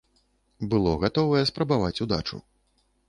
Было гатовае спрабаваць удачу.